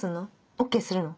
ＯＫするの？